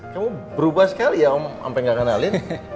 kamu berubah sekali ya om sampai gak kenalin